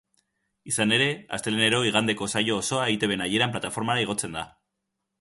Izan ere, astelehenero igandeko saio osoa eitb nahieran plataformara igotzen da.